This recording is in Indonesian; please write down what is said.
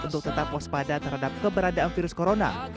untuk tetap waspada terhadap keberadaan virus corona